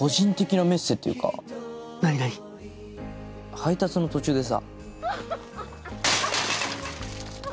配達の途中でさ。